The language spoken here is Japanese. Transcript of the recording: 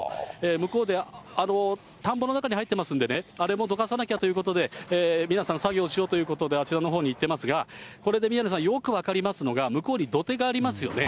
向こうで田んぼの中に入っていますんでね、あれもどかさなきゃっていうことで、皆さん、作業しようということで、あちらのほうに行っていますが、これで宮根さん、よく分かりますのが、向こうに土手がありますよね。